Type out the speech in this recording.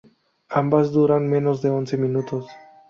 Ambas duran menos de once minutos.